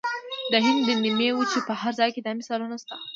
د هند د نیمې وچې په هر ځای کې دا مثالونه شته.